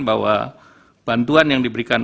bahwa bantuan yang diberikan